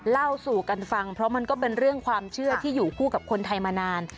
เล่าสู่กันฟังเพราะมันก็เป็นเรื่องความเชื่อที่อยู่คู่กับคนไทยมานาน